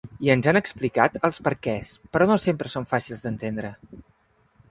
I ens han explicat els perquès, però no sempre són fàcils d’entendre.